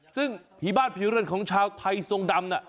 ซึ่งผีบ้านผีเรือนของชาวไทยทรงดำน่ะ